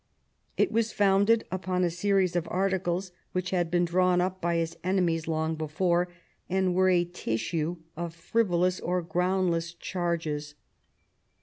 It was foimded upon a series of articles which had been drawn up by his enemies long before, and were a tissue of frivolous or groundless charges.